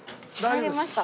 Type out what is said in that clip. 入りました。